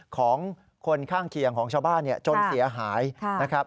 ของคนข้างเคียงของชาวบ้านจนเสียหายนะครับ